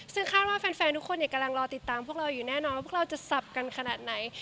ซึ่งคาดว่าแฟนทุกคนกำลังรอติดตามพวกเราอยู่แน่นอนว่าพวกเราจะสับกันขนาดไหน